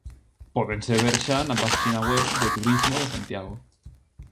Pódense ver xa na páxina web de Turismo de Santiago.